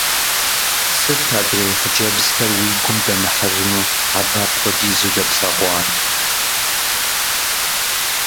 Сыт адрей хъыджэбзхэр уи гум дэмыхьэжыну, абы апхуэдизу дэплъэгъуар?